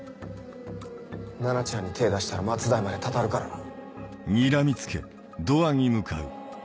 菜奈ちゃんに手出したら末代までたたるからな。